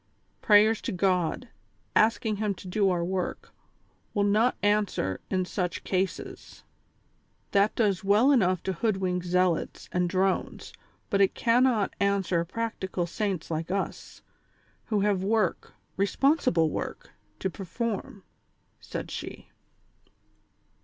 Prayers to God, asking Him to do our work, will not answer in such cases ; that does well enough to hoodwink zealots and drones, but it cannot answer practical saints like us, who have work, responsible work, to perform," said she.